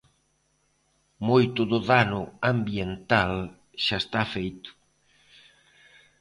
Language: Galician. Moito do dano ambiental xa está feito.